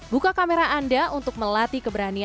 buka kamera anda untuk melatih keberanian